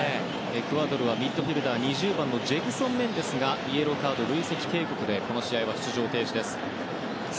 エクアドルはミッドフィールダー２０番、ジェグソン・メンデスがイエローカードの累積警告でこの試合は出場停止です。